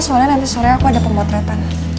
soalnya nanti sore aku ada pemotretan